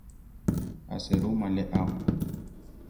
A serúma alé ao.